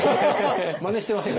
まねしてません？